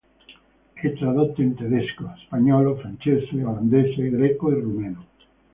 È tradotto in tedesco, spagnolo, francese, olandese, greco, rumeno.